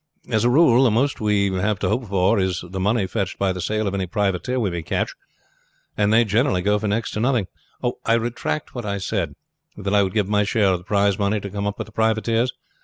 As a rule, the most we have to hope for is the money fetched by the sale of any privateer we may catch, and they generally go for next to nothing. I retract what I said that I would give my share of the prize money to come up with the privateers.